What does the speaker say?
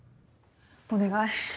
お願い